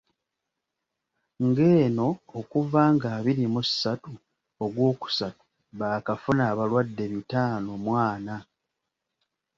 Ng'eno okuva nga abiri mu ssatu, ogwokusatu baakafuna abalwadde bitaano mu ana.